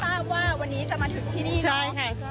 แปลว่าวันนี้จะมาถึงที่นี่เนอะ